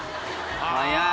早い。